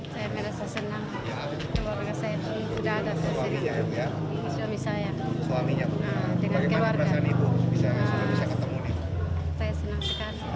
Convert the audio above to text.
saya merasa senang bahwa saya sudah ada suami saya dengan keluarga saya senang sekali